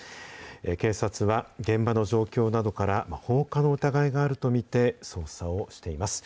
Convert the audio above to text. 警察は、現場の状況などから放火の疑いがあると見て、捜査をしています。